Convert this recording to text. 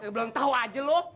belum tahu aja lu